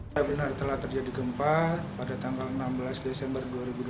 saya benar telah terjadi gempa pada tanggal enam belas desember dua ribu dua puluh